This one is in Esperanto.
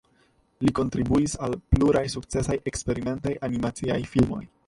Li kontribuis al pluraj sukcesaj eksperimentaj animaciaj filmoj.